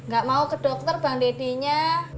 gak mau ke dokter bang dedinya